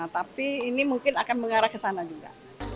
tapi ini mungkin akan mengarah ke sana juga